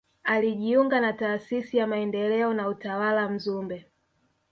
Alijiunga na taasisi ya maendeleo na utawala Mzumbe